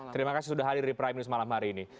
terima kasih sudah hadir di prime news malam hari ini